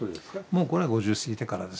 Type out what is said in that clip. もうこれは５０過ぎてからですね。